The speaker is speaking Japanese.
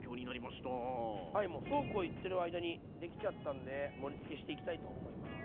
はいもうそうこう言ってる間にできちゃったんで盛りつけしていきたいと思います。